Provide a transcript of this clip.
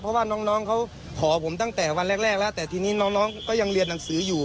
เพราะว่าน้องเขาขอผมตั้งแต่วันแรกแล้วแต่ทีนี้น้องก็ยังเรียนหนังสืออยู่